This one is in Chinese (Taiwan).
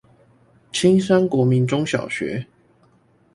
青山國民中小學